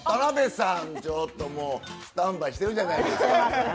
田辺さん、ちょっともうスタンバイしてるじゃないですか。